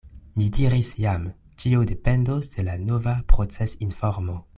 Mi diris jam: ĉio dependos de la nova procesinformo.